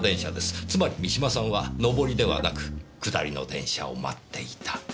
つまり三島さんは上りではなく下りの電車を待っていた。